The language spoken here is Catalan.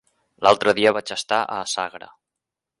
L'altre dia vaig estar a Sagra.